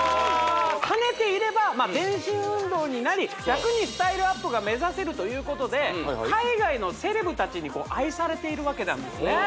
跳ねていれば全身運動になり楽にスタイルアップが目指せるということで海外のセレブ達に愛されているわけなんですね